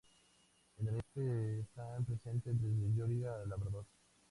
En el este están presentes desde Georgia a Labrador.